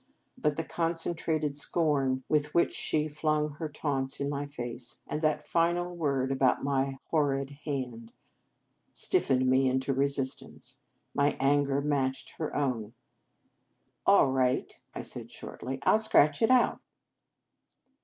But the concentrated scorn with which she flung her taunts in my face, and that final word about irry horrid hand, stiffened me into resistance. My anger matched her own. " All right," I said shortly; " I 11 scratch it out."